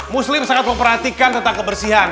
muslim sangat memperhatikan tentang kebersihan